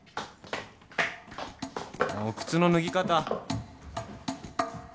おい靴の脱ぎ方。